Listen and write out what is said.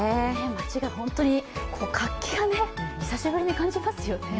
街が本当に活気が、久しぶりに感じますよね。